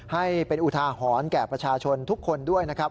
ให้เป็นอุทาหรณ์แก่ประชาชนทุกคนด้วยนะครับ